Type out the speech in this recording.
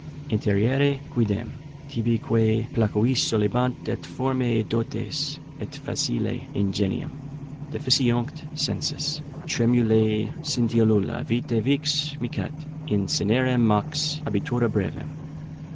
Interiêre quidem, tibi quæ placuisse solebant, Et formæ dotes, et facile ingenium: Deficiunt sensus, tremulæ scintillula vitæ Vix micat, in cinerem mox abitura brevem.